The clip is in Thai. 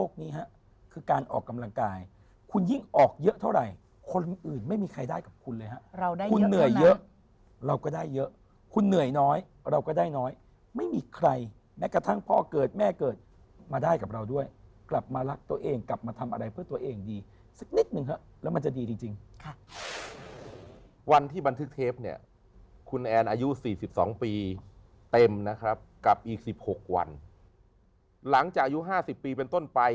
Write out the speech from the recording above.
คือการออกกำลังกายคุณยิ่งออกเยอะเท่าไหร่คนอื่นไม่มีใครได้กับคุณเลยฮะเราได้เยอะเท่านั้นคุณเหนื่อยเยอะเราก็ได้เยอะคุณเหนื่อยน้อยเราก็ได้น้อยไม่มีใครแม้กระทั่งพ่อเกิดแม่เกิดมาได้กับเราด้วยกลับมารักตัวเองกลับมาทำอะไรเพื่อตัวเองดีสักนิดนึงฮะแล้วมันจะดีจริงค่ะวันที่บันทึกเทปเนี่ยคุณ